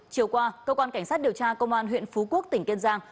chiều qua cơ quan cảnh sát điều tra công an huyện phú quốc tỉnh kiên giang